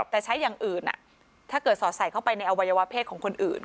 แต่ใช้อย่างอื่นถ้าเกิดสอดใส่เข้าไปในอวัยวะเพศของคนอื่น